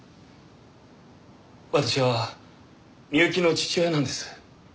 私は美雪の父親なんです。